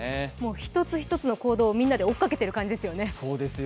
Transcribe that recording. １つ１つの行動をみんなで追いかけているような感じですよね。